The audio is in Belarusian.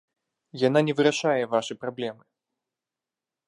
Яна не вырашае вашы праблемы!